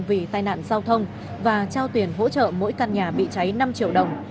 vì tai nạn giao thông và trao tiền hỗ trợ mỗi căn nhà bị cháy năm triệu đồng